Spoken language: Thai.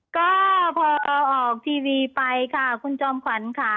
ก็พอออกทีวีไปค่ะคุณจอมขวัญค่ะ